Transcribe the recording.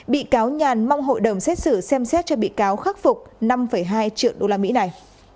bị cáo nhàn mong hội đồng xét xử xem xét cho bị cáo khắc phục năm hai triệu usd này